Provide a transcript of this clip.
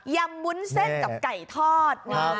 ำวุ้นเส้นกับไก่ทอด